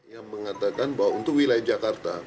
yang mengatakan bahwa untuk wilayah jakarta